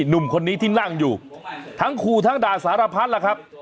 หนุ่มคนนี้ที่นั่งอยู่ทั้งคู่ทั้งด่าสารพัดล่ะครับ